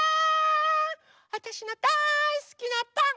わたしのだいすきなパン。